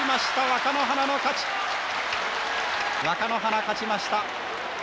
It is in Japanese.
若乃花、勝ちました。